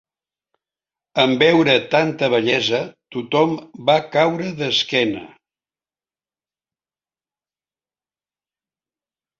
En veure tanta bellesa tothom va caure d'esquena.